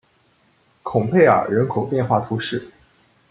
孔佩尔人口变化图示